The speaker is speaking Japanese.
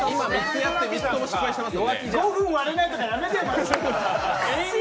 ５分割れないとかやめてよ。